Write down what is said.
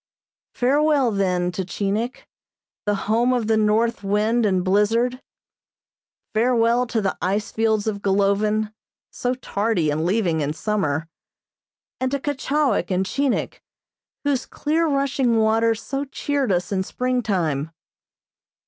Farewell, then, to Chinik, the home of the north wind and blizzard. Farewell to the ice fields of Golovin, so tardy in leaving in summer, and to Keechawik and Chinik, whose clear rushing waters so cheered us in spring time.